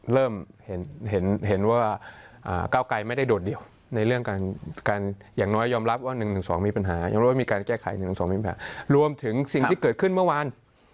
เริ่มเห็นว่าก้าวไกลไม่ได้โดดเดียวในเรื่องการยอมรับว่า๑๒มีปัญหารวมถึงสิ่งที่เกิดขึ้นเมื่อวาน